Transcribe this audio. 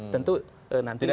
tentu nanti secara